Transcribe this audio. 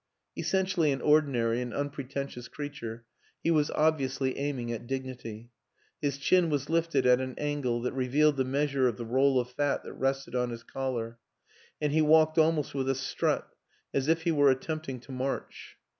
Essentially an ordinary and unpretentious crea ture, he was obviously aiming at dignity; his chin was lifted at an angle that revealed the measure of the roll of fat that rested on his collar, and he walked almost with a strut, as if he were at tempting to march.